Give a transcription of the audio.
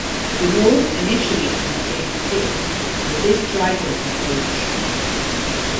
The nodes initially contain pith but this dries up in older shoots.